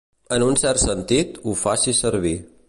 En un cert sentit, ho faci servir.